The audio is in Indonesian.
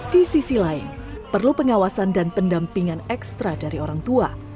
di sisi lain perlu pengawasan dan pendampingan ekstra dari orang tua